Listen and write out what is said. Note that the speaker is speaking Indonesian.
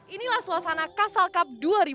inilah suasana castle cup dua ribu dua puluh